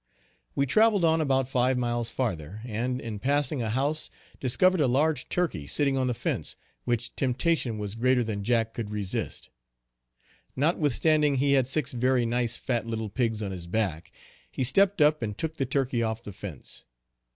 We travelled on about five miles farther, and in passing a house discovered a large turkey sitting on the fence, which temptation was greater than Jack could resist. Notwithstanding he had six very nice fat little pigs on his back, he stepped up and took the turkey off the fence.